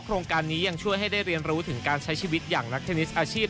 โครงการนี้ยังช่วยให้ได้เรียนรู้ถึงการใช้ชีวิตอย่างนักเทนนิสอาชีพ